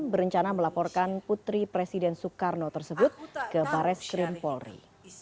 berencana melaporkan putri presiden soekarno tersebut ke baris krim polri